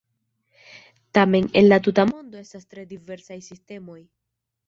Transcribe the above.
Tamen en la tuta mondo estas tre diversaj sistemoj.